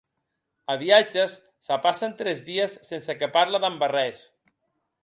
A viatges se passen tres dies sense que parla damb arrés.